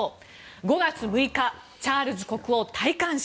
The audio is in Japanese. ５月６日チャールズ国王戴冠式。